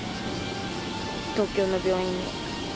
東京の病院に。